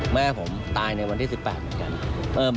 แม่ผมตายในวันที่๑๘เหมือนกัน